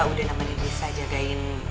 udah nemenin risa jagain